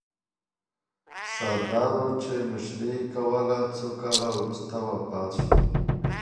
سردارو چې مشري یې کوله، څو کاله وروسته وفات سوه.